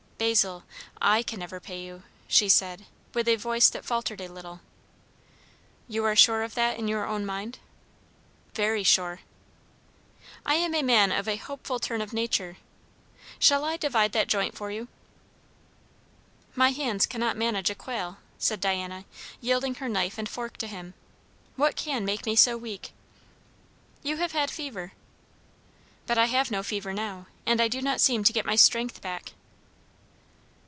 "Basil, I can never pay you," she said, with a voice that faltered a little. "You are sure of that in your own mind?" "Very sure!" "I am a man of a hopeful turn of nature. Shall I divide that joint for you?" "My hands cannot manage a quail!" said Diana, yielding her knife and fork to him. "What can make me so weak?" "You have had fever." "But I have no fever now, and I do not seem to get my strength back."